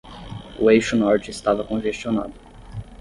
O eixo norte estava congestionado.